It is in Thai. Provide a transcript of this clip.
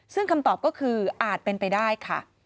ซึ่งคำตอบก็คืออาจเป็นไปได้ค่ะ